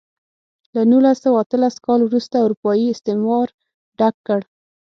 له نولس سوه اتلس کال وروسته اروپايي استعمار ډک کړ.